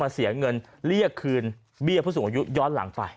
เสียเงินเรียกคืนเบี้ยผู้สูงอายุย้อนหลังไป